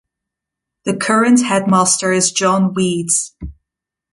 The current Headmaster is John Weeds.